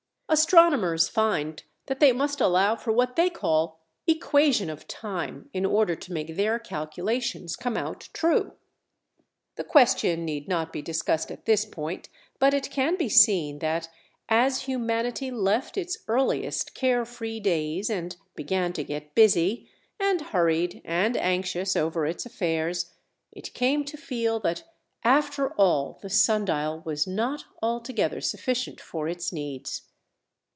Astronomers find that they must allow for what they call "equation of time" in order to make their calculations come out true. The question need not be discussed at this point, but it can be seen that, as humanity left its earliest care free days and began to get busy, and hurried and anxious over its affairs, it came to feel that after all the sun dial was not altogether sufficient for its needs.